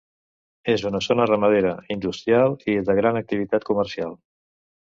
És una zona ramadera, industrial i de gran activitat comercial.